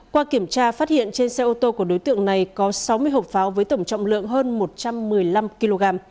qua kiểm tra phát hiện trên xe ô tô của đối tượng này có sáu mươi hộp pháo với tổng trọng lượng hơn một trăm một mươi năm kg